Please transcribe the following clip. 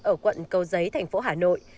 ở quận cầu giấy tp hà nội